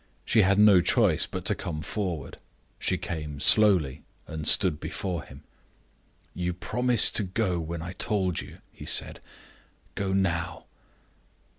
She had no choice but to come forward. She came slowly and stood before him. "You promised to go when I told you," he said. "Go now."